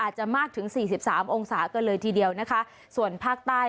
ฮัลโหลฮัลโหลฮัลโหลฮัลโหล